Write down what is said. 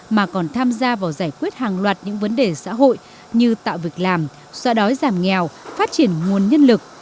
mà còn tham gia vào giải quyết hàng loạt những vấn đề xã hội như tạo việc làm xóa đói giảm nghèo phát triển nguồn nhân lực